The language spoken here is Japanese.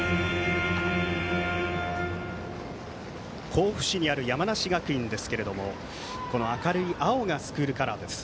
甲府市にある山梨学院ですけども明るい青がスクールカラーです。